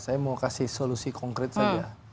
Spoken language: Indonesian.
saya mau kasih solusi konkret saja